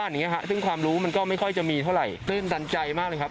อย่างนี้ฮะซึ่งความรู้มันก็ไม่ค่อยจะมีเท่าไหร่ตื่นตันใจมากเลยครับ